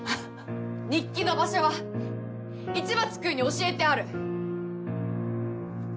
日記の場所は市松君に教えてある。